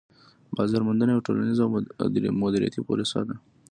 بازار موندنه یوه ټولنيزه او دمدریتی پروسه ده